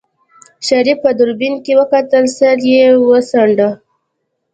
شريف په دوربين کې وکتل سر يې وڅنډه.